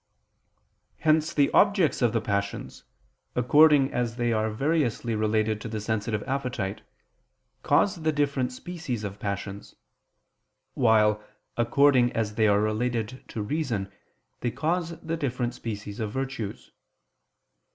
Hence the objects of the passions, according as they are variously related to the sensitive appetite, cause the different species of passions: while, according as they are related to reason, they cause the different species of virtues.